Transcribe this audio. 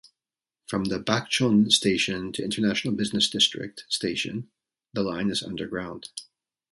From Bakchon station to International Business District station, the line is underground.